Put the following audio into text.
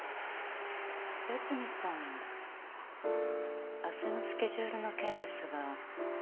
八海さん明日のスケジュールの件ですがいいですか？